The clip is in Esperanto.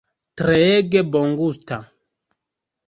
Treege bongusta!